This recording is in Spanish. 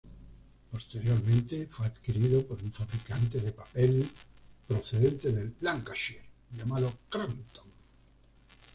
Posteriormente fue adquirido por un fabricante de papel procedente de Lancashire llamado Crompton.